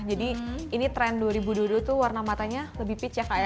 jadi ini trend dua ribu dua puluh dua itu warna matanya lebih peach ya kak ya